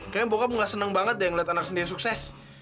kayaknya bokap gak seneng banget deh ngeliat anak sendiri sukses